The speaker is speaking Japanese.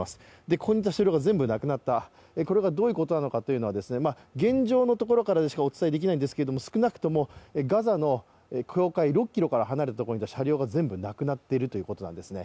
ここにいた車両が全部なくなった、これがどういうことなのかというと、現状からでしかお伝えできないんですが少なくともガザの境界６ｋｍにいたところから全部なくなっているということなんですね。